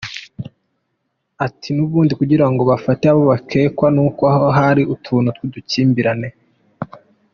ati “N’ubundi kugira ngo bafate abo bakekwa ni uko hari utuntu tw’udukimbirane.